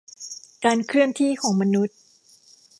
การเคลื่อนที่ของมนุษย์